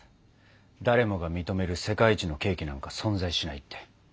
誰もが認める世界一のケーキなんか存在しないって。